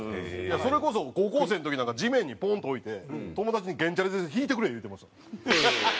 それこそ高校生の時なんか地面にポンと置いて友達に原チャリでひいてくれ言うてましたもん。